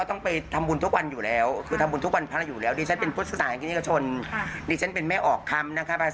ทำได้ดีไหม